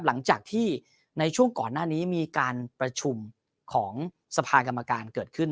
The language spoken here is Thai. หลังจากที่ในช่วงก่อนหน้านี้มีการประชุมของสภากรรมการเกิดขึ้น